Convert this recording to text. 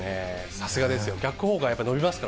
さすがですよ。